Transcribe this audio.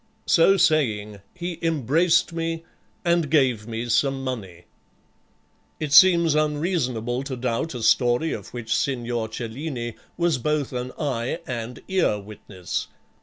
So saying he embraced me, and gave me some money." It seems unreasonable to doubt a story of which Signor Cellini was both an eye and ear witness.